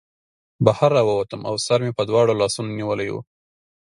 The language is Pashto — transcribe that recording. بهر راووتم او سر مې په دواړو لاسونو نیولی و